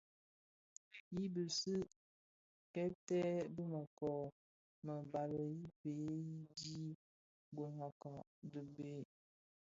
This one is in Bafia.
I bisi kèbtè bi mëkoo më bali yi bheg yidhi guňakka di bë.